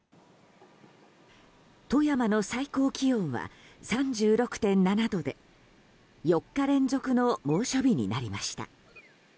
富山の最高気温は３６．７度で４日連続の猛暑日になりました。